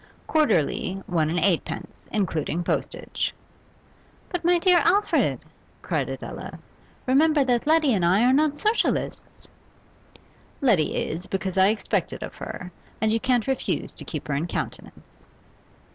Quarterly, one and eightpence, including postage.' 'But, my dear Alfred,' cried Adela, 'remember that Letty and I are not Socialists!' 'Letty is, because I expect it of her, and you can't refuse to keep her in countenance.